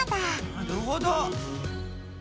なるほど。